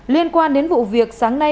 liên quan đến vụ việc sáng nay